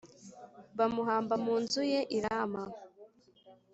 bamuhamba mu nzu ye i Rama.